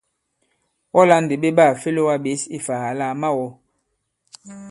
Wɔ lā ndì ɓe ɓaà fe lōgā ɓěs ifà àlà à ma-wɔ̃!